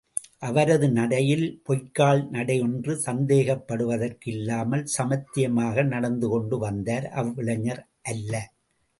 அவரது நடையில் பொய்க்கால் நடையென்று சந்தேகப்படுவதற்கு இல்லாமல் சாமர்த்தியமாக நடந்துகொண்டு வந்தார், அவ்விளைஞர் அல்ல.